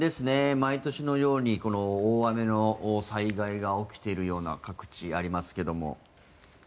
毎年のように大雨の災害が起きているようなことが各地、ありますけれども。